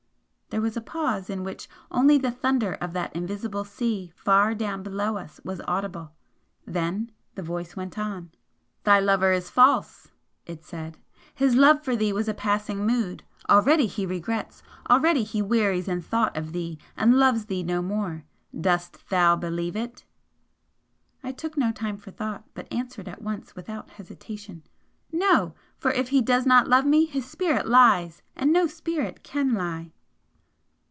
There was a pause, in which only the thunder of that invisible sea far down below us was audible. Then the voice went on, "Thy lover is false!" it said "His love for thee was a passing mood already he regrets already he wearies in thought of thee and loves thee no more! DOST THOU BELIEVE IT?" I took no time for thought, but answered at once without hesitation "No! For if he does not love me his Spirit lies! and no Spirit CAN lie!"